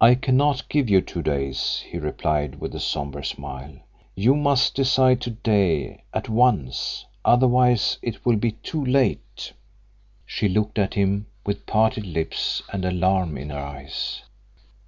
"I cannot give you two days," he replied, with a sombre smile. "You must decide to day at once otherwise it will be too late." She looked at him with parted lips and alarm in her eyes.